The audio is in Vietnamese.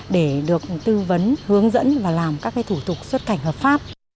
để được tư vấn hướng dẫn và làm các thủ tục xuất cảnh hợp pháp